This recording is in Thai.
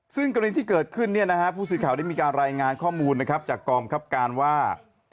ซึ่งกรณีที่เกิดขึ้นเนี่ยนะฮะผู้เสียหายได้มีการรายงานข้อมูลนะครับจากกรรมครับการว่า